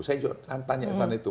saya juga nantanya saat itu